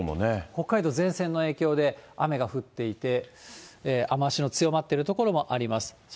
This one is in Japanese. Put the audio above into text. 北海道、前線の影響で雨が降っていて、雨足の強まってる所もあります。